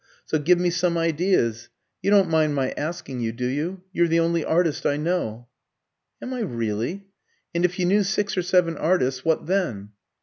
So give me some ideas. You don't mind my asking you, do you? You're the only artist I know." "Am I really? And if you knew six or seven artists, what then?"